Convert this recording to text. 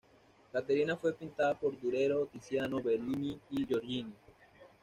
Caterina fue pintada por Durero, Tiziano, Bellini y Giorgione.